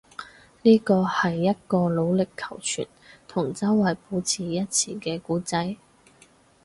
呢個係一個努力求存，同周圍保持一致嘅故仔